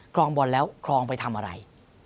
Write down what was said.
รองบอลแล้วครองไปทำอะไร